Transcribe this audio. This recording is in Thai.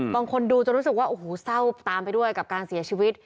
บางคนดูจนรู้สึกว่าโอ้โหเศร้าตามไปด้วยกับการเสียชีวิต